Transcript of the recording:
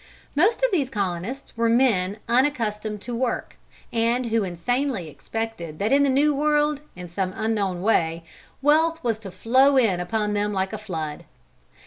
Most of these colonists were men unaccustomed to work, and who insanely expected that in the New World, in some unknown way, wealth was to flow in upon them like a flood.